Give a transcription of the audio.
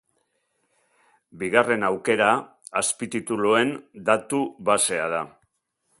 Bigarren aukera, azpitituluen datu basea da.